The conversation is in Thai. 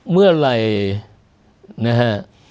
เมื่อไหร่นะฮะ